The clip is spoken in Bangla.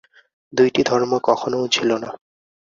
দুইটি ধর্ম কখনও ছিল না।